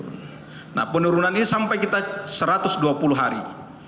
nah penurunan ini sampai kita satu ratus dua puluh hari